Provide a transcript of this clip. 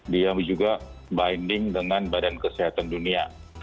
dia juga binding dengan badan kesehatan dunia